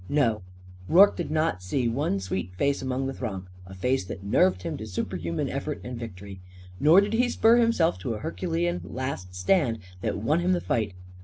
No; Rorke did not see one sweet face in the throng a face that nerved him to superhuman effort and victory. Nor did he spur himself to a Herculean last stand that won him the fight.